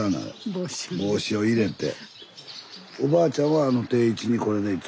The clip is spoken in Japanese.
帽子を入れて。